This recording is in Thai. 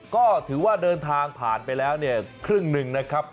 ก็ถือว่าเดินทางผ่านไปแล้วเนี่ยครึ่งหนึ่งนะครับ